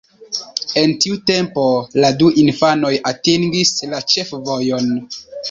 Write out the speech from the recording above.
En tiu tempo la du infanoj atingis la ĉefvojon.